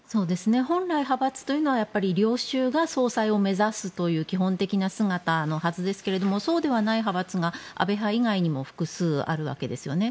本来、派閥というのは領袖が総裁を目指すという基本的な姿のはずですけれどそうではない派閥が安倍派以外にも複数あるわけですよね。